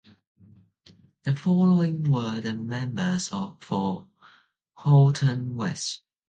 The following were the members for Halton West.